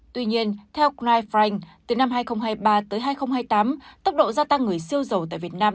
tuy nhiên theo krif frank từ năm hai nghìn hai mươi ba tới hai nghìn hai mươi tám tốc độ gia tăng người siêu dầu tại việt nam